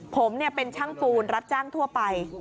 ผมเป็นช่างปูนรับจ้างทั่วไป